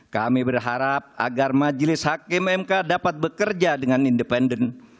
kami berharap agar majelis hakim mk dapat bekerja dengan independen